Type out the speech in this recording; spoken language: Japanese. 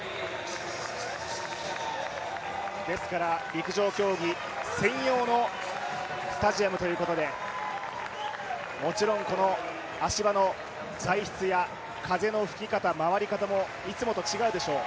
陸上競技専用のスタジアムということでもちろん、この足場の材質や風の吹き方、回り方もいつもと違うでしょう。